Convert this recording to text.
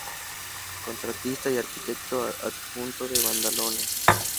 Contratista y arquitecto adjunto de Badalona.